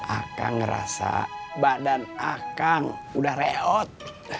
akang ngerasa badan akang udah reot